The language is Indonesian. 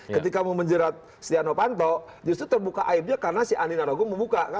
ketika memenjerat stiano panto justru terbuka aibnya karena si andi narogo membuka